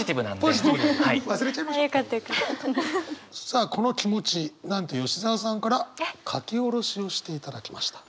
さあこの気持ちなんと吉澤さんから書き下ろしをしていただきました。